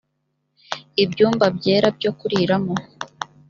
ibyumba byera byo kuriramo